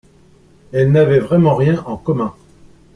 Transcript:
elle n’avait vraiment rien en commun.